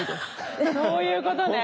そういうことね。